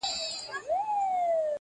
په افسانو کي به یادیږي ونه؛؛!